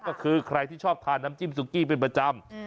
ก็คือใครที่ชอบทานน้ำจิ้มซุกี้เป็นประจำ